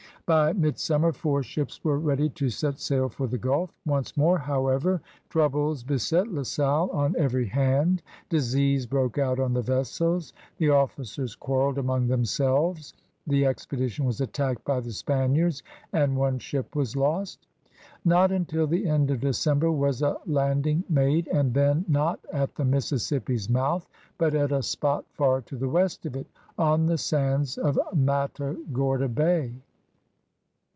By midsummer four ships were ready to set safl for the Gulf. Once more, however, 110 CRUSADERS OF NEW PRANCE troubles beset La Salle on every hand, broke out on the vessels; the officers quarreled among themselves; the expedition was attacked by the Spaniards, and one ship was lost. Not until the end of December was a landing made, and then not at the Mississippi's mouth but at a spot far to the west of it, on the sands of Mata gorda Bay.